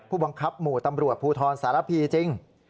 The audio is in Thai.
ผู้บังคับหมู่ตำรวจภูทรสารพีจริง